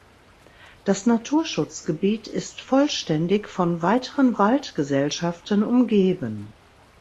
Das Naturschutzgebiet ist vollständig von weiteren Waldgesellschaften umgeben.